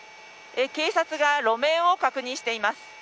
警察が路面を確認しています。